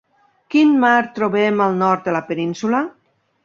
Quin mar trobem al nord de la península?